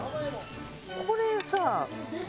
これさ。